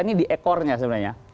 ini di ekornya sebenarnya